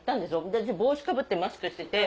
私帽子かぶってマスクしてて。